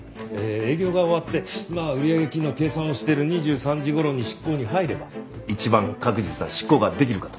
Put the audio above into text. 営業が終わって売上金の計算をしてる２３時頃に執行に入れば一番確実な執行ができるかと。